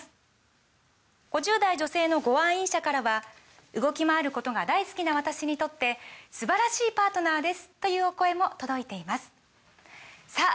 ５０代女性のご愛飲者からは「動きまわることが大好きな私にとって素晴らしいパートナーです！」というお声も届いていますさあ